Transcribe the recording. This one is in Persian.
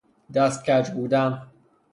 دست کج بودن